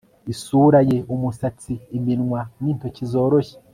isura ye, umusatsi, iminwa n'intoki zoroshye